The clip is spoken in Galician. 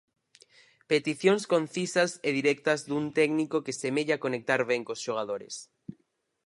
Peticións concisas e directas dun técnico que semella conectar ben cos xogadores.